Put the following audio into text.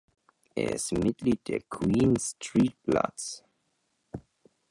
Er ist Mitglied der "Queen Street Bloods".